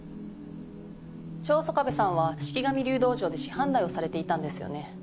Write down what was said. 長曾我部さんは四鬼神流道場で師範代をされていたんですよね。